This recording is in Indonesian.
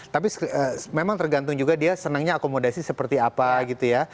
tapi memang tergantung juga dia senangnya akomodasi seperti apa gitu ya